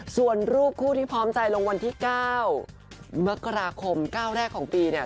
ส่วนรูปคู่ที่พร้อมใจลงวันที่๙มกราคม๙แรกของปีเนี่ย